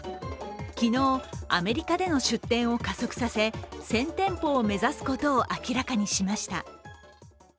昨日、アメリカでの出店を加速させ１０００店舗を目指すことを明らかにしました。